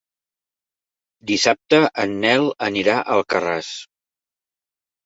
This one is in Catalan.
Dissabte en Nel anirà a Alcarràs.